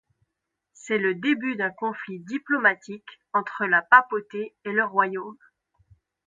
C'est le début d'un conflit diplomatique entre la papauté et le royaume.